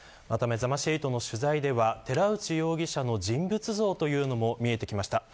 めざまし８の取材では寺内容疑者の人物像というのも見えてきました。